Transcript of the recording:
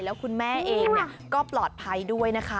แล้วคุณแม่เองก็ปลอดภัยด้วยนะคะ